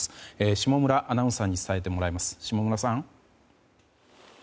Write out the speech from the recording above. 下村アナウンサーに伝えてもらいます。